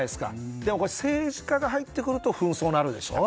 でも政治家が入ると紛争になるでしょ？